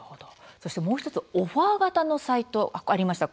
そして、もう１つオファー型のサイトありました。